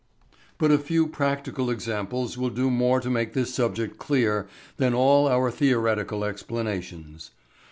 But a few practical examples will do more to make this subject clear than all our theoretical explanations.